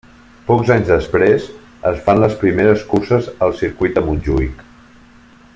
Pocs anys després, es fan les primeres curses al circuit de Montjuïc.